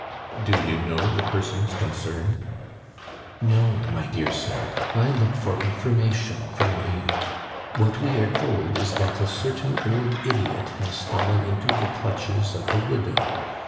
"Do you know the persons concerned?" "No, my dear sir; I look for information from you. What we are told is, that a certain old idiot has fallen into the clutches of a widow.